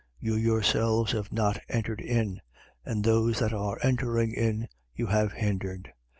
You yourselves have not entered in: and those that were entering in, you have hindered.